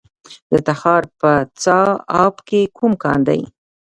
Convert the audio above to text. د تخار په چاه اب کې کوم کان دی؟